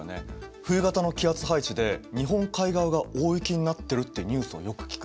冬型の気圧配置で日本海側が大雪になってるっていうニュースはよく聞く。